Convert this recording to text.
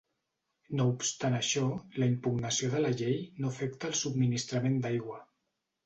No obstant això, la impugnació de la llei no afecta al subministrament d’aigua.